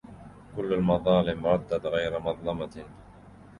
كل المظالم ردت غير مظلمة